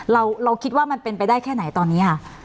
เราคิดว่ามันเป็นไปได้แค่ไหนตอนนี้ค่ะ